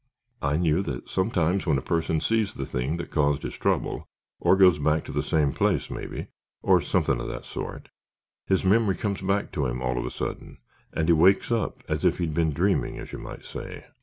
I knew that sometimes when a person sees the thing that caused his trouble or goes back to the same place, maybe, or something of that sort, his memory comes back to him all of a sudden and he wakes up as if he'd been dreaming, as you might say.